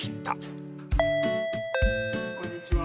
・こんにちは。